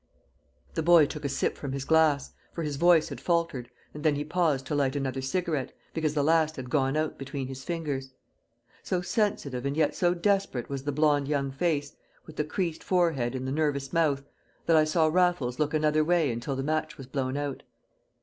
The boy took a sip from his glass, for his voice had faltered, and then he paused to light another cigarette, because the last had gone out between his fingers. So sensitive and yet so desperate was the blonde young face, with the creased forehead and the nervous mouth, that I saw Raffles look another way until the match was blown out.